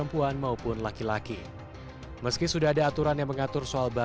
dengan pand wichtignya teman teman mereka berardah kerja bukal media beradmion